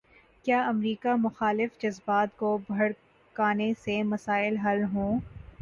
کیا امریکہ مخالف جذبات کو بھڑکانے سے مسائل حل ہوں۔